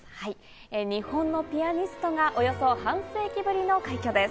日本のピアニストがおよそ半世紀ぶりの快挙です。